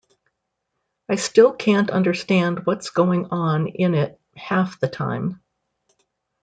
I still can't understand what's going on in it half the time.